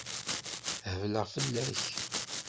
Hebleɣ fell-ak.